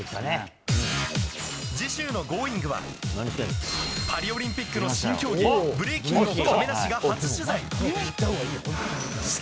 次週の「Ｇｏｉｎｇ！」はパリオリンピックの新競技ブレイキンを亀梨が初取材。